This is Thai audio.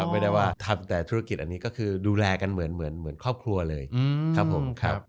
ไม่ได้ว่าทำแต่ธุรกิจอันนี้ก็คือดูแลกันเหมือนครอบครัวเลยครับผมครับ